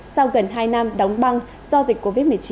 sau gần hai năm đóng băng do dịch covid một mươi chín